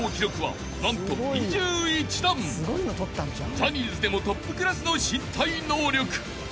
［ジャニーズでもトップクラスの身体能力］